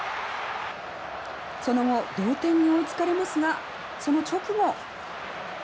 その後同点に追いつかれますがその直後。